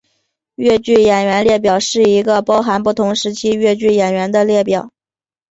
越剧演员列表是一个包含不同时期越剧演员的列表。